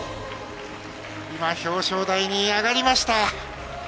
今、表彰台に上がりました。